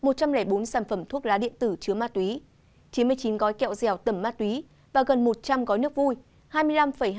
một trăm linh bốn sản phẩm thuốc lá điện tử chứa ma túy chín mươi chín gói kẹo dẻo tẩm ma túy và gần một trăm linh gói nước vui